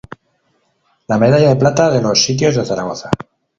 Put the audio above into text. La medalla de plata de los sitios de Zaragoza.